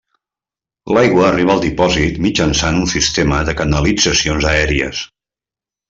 L'aigua arriba al dipòsit mitjançant un sistema de canalitzacions aèries.